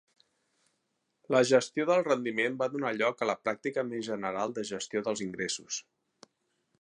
La gestió del rendiment va donar lloc a la pràctica més general de gestió dels ingressos.